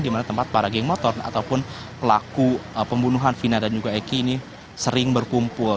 di mana tempat para geng motor ataupun pelaku pembunuhan vina dan juga eki ini sering berkumpul